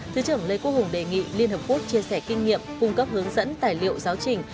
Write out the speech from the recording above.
thứ trưởng lê quốc hùng đề nghị liên hợp quốc chia sẻ kinh nghiệm cung cấp hướng dẫn tài liệu giáo trình